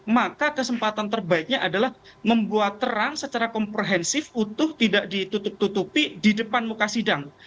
maka kesempatan terbaiknya adalah membuat terang secara komprehensif utuh tidak ditutup tutupi di depan muka sidang